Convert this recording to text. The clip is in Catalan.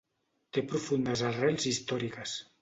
Té profundes arrels històriques.